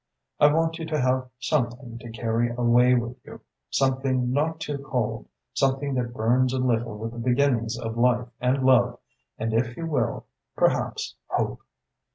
I want you to have something to carry away with you, something not too cold, something that burns a little with the beginnings of life and love, and, if you will, perhaps hope.